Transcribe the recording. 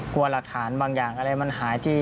กลัวหลักฐานบางอย่างอะไรมันหายที่